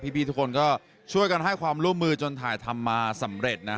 พี่ทุกคนก็ช่วยกันให้ความร่วมมือจนถ่ายทำมาสำเร็จนะ